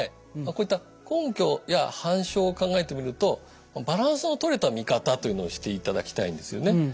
こういった根拠や反証を考えてみるとバランスのとれた見方というのをしていただきたいんですよね。